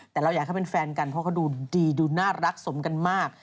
แต่เราอยากให้เป็นแฟนกันเพราะเขาดูดีดูน่ารักสมกันมาก